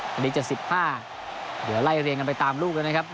ทีนี้จะ๑๕เดี๋ยวไล่เรียนกันไปตามลูกแล้วนะครับ